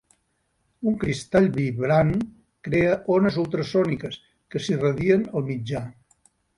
Un cristall vibrant crea ones ultrasòniques que s'irradien al mitjà.